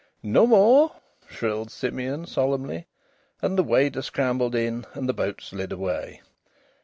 "No more," shrilled Simeon, solemnly. And the wader scrambled in and the boat slid away.